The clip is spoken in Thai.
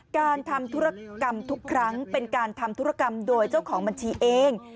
การทำธุรกรรมทุกครั้งเป็นการทำธุรกรรมโดยเจ้าของบัญชีเอง